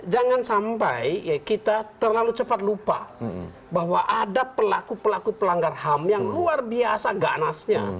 jangan sampai kita terlalu cepat lupa bahwa ada pelaku pelaku pelanggar ham yang luar biasa ganasnya